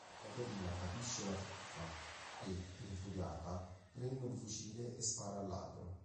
Caterina capisce la truffa e, infuriata, prende un fucile e spara al ladro.